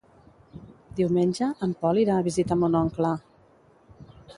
Diumenge en Pol irà a visitar mon oncle.